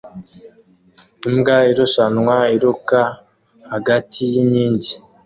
Imbwa irushanwa iruka hagati yinkingi